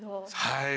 はい。